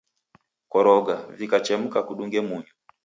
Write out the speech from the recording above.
Koroga, vikachemka na kudunge munyu.